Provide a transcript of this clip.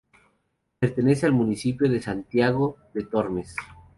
Pertenece al municipio de Santiago de Tormes.